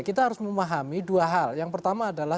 kita harus memahami dua hal yang pertama adalah